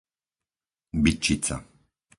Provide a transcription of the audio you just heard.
Bytčica